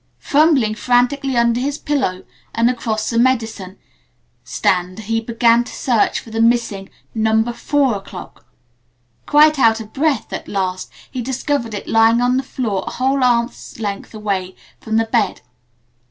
Fumbling frantically under his pillow and across the medicine stand he began to search for the missing "No. 4 o'clock." Quite out of breath, at last he discovered it lying on the floor a whole arm's length away from the bed.